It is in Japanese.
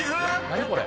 何これ？